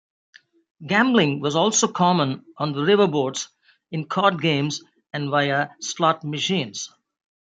Gambling was also common on the riverboats, in card games and via slot machines.